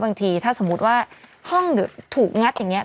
บางทีถ้าสมมุติว่าห้องถูกงัดอย่างนี้